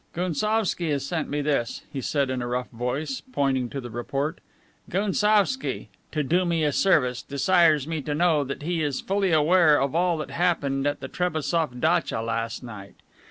"Gounsovski has sent me this," he said in a rough voice, pointing to the report. "Gounsovski, 'to do me a service,' desires me to know that he is fully aware of all that happened at the Trebassof datcha last night.